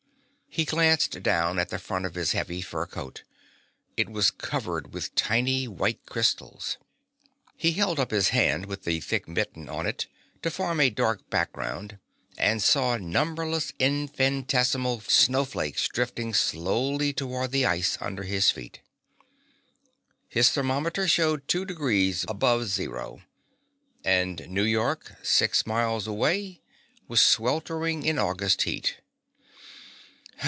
He glanced down at the front of his heavy fur coat. It was covered with tiny white crystals. He held up his hand with the thick mitten on it to form a dark background, and saw numberless infinitesimal snowflakes drifting slowly toward the ice under his feet. His thermometer showed two degrees above zero and New York, six miles away, was sweltering in August heat!